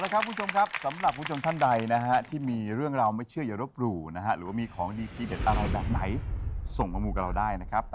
คุณแม่มีความสุขมากค่ะขอบคุณมากค่ะ